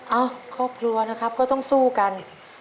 เอ้าครอบครัวนะครับก็ต้องสู้กัน